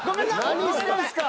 何してんすか！